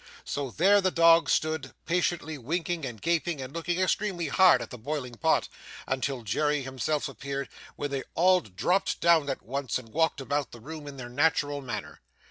So there the dogs stood, patiently winking and gaping and looking extremely hard at the boiling pot, until Jerry himself appeared, when they all dropped down at once and walked about the room in their natural manner.